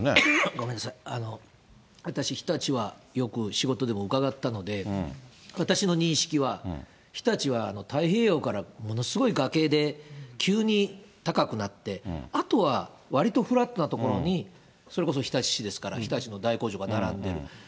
ごめんなさい、私、日立はよく仕事でも伺ったので、私の認識は、日立は太平洋からものすごい崖で急に高くなって、あとはわりとフラットな所に、それこそ日立市ですから、日立の大工場が並んでる。